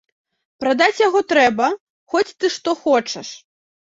Прадаць яго трэба, хоць ты што хочаш.